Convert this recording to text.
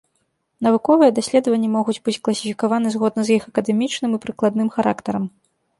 Навуковыя даследаванні могуць быць класіфікаваны згодна з іх акадэмічным і прыкладным характарам.